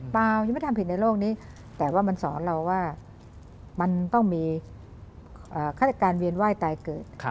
ยังไม่ทำผิดในโลกนี้แต่ว่ามันสอนเราว่ามันต้องมีฆาตการเวียนไหว้ตายเกิด